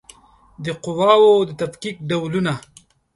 د قواوو د تفکیک ډولونه